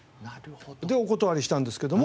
でお断りしたんですけども。